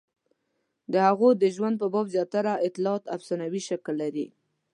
د هغوی د ژوند په باب زیاتره اطلاعات افسانوي شکل لري.